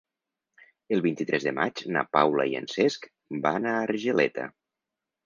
El vint-i-tres de maig na Paula i en Cesc van a Argeleta.